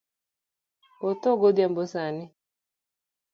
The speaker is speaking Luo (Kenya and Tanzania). Otho godhiambo sani